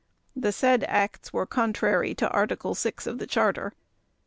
The said acts were contrary to Article 6 of the Charter.